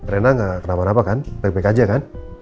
reyna gak kenapa napa kan baik baik aja kan